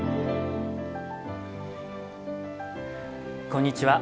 こんにちは。